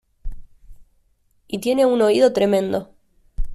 Y tiene un oído tremendo.